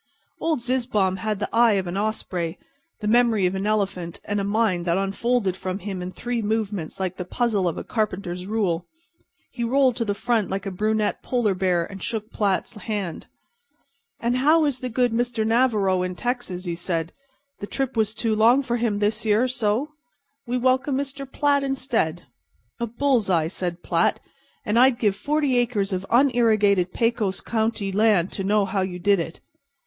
Old Zizzbaum had the eye of an osprey, the memory of an elephant and a mind that unfolded from him in three movements like the puzzle of the carpenter's rule. He rolled to the front like a brunette polar bear, and shook Platt's hand. "And how is the good Mr. Navarro in Texas?" he said. "The trip was too long for him this year, so? We welcome Mr. Platt instead." "A bull's eye," said Platt, "and I'd give forty acres of unirrigated Pecos County land to know how you did it."